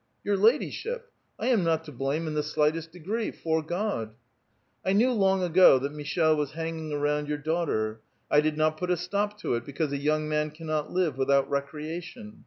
" Your ladyship,^ I am not to blame in the slightest degree, 'fore God !"" I knew long ago that Michel was hanging around your daughter. I did not put a stop to it, because a young man cannot live without recreation.